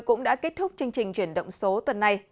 cũng đã kết thúc chương trình chuyển động số tuần này